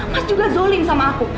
mas juga zoling sama aku